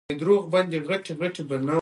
حزب اسلامي ورځپاڼه "شهادت" درلوده.